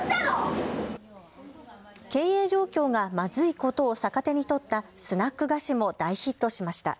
経営状況がまずいことを逆手に取ったスナック菓子も大ヒットしました。